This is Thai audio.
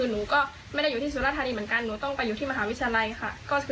ด้วยคำที่หยาบคายและทำร้ายร่างกายตามที่เห็นในคลิป